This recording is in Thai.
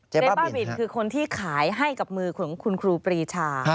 เจ๊บ้าบินคือคนที่ขายให้กับมือของคุณครูปรีชา